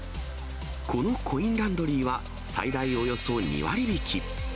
このコインランドリーは、最大およそ２割引き。